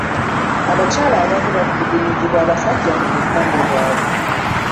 Abakyala abamu batulugunyizibwa abasajja mu bufumbo bwabwe.